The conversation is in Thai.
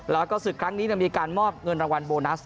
แล้วก็ศึกครั้งนี้มีการมอบเงินรางวัลโบนัส